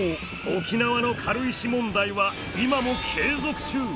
沖縄の軽石問題は今も継続中。